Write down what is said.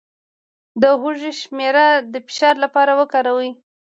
د هوږې شیره د فشار لپاره وکاروئ